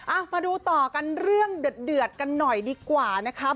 อ้าวมาดูต่อกันเรื่องเดียวเตี๋ยวกันหน่อยดีกว่านะครับ